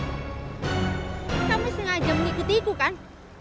kamu sengaja mengikuti ikukan